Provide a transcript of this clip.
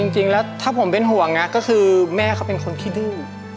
จริงแล้วถ้าผมเป็นห่วงก็คือแม่เขาเป็นคนขี้ดื้อ